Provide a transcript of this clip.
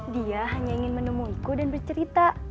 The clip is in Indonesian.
dia hanya ingin menemuiku dan bercerita